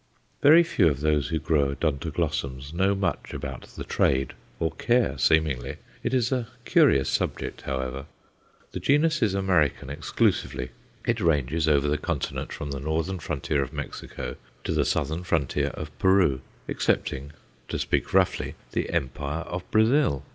Very few of those who grow Odontoglossums know much about the "Trade," or care, seemingly. It is a curious subject, however. The genus is American exclusively. It ranges over the continent from the northern frontier of Mexico to the southern frontier of Peru, excepting, to speak roughly, the empire of Brazil.